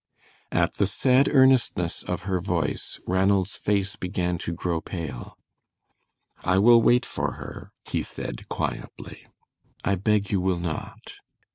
At the sad earnestness of her voice, Ranald's face began to grow pale. "I will wait for her," he said, quietly. "I beg you will not."